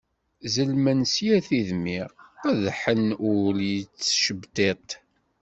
Zellmen s yir tidmi qeddḥen ul yettcebṭiṭ.